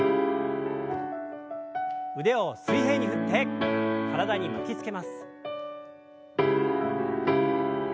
腕を水平に振って体に巻きつけます。